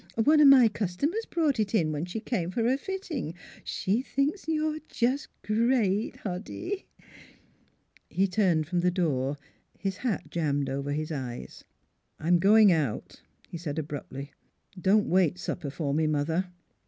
One of my customers brought it in when she came for her fitting. She thinks you're just great, Hoddy !" He turned from the door, his hat jammed over his eyes. u I'm going out," he said abruptly. " Don't wait supper for me, mother."